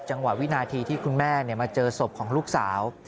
วินาทีที่คุณแม่มาเจอศพของลูกสาว